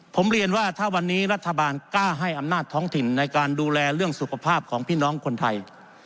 ผมเรียนว่าถ้าวันนี้รัฐบาลกล้าให้อำนาจท้องถิ่นในการดูแลเรื่องสุขภาพของพี่น้องคนไทย